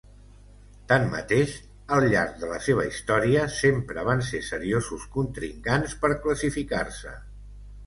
Tanmateix, al llarg de la seva història sempre van ser seriosos contrincants per classificar-se.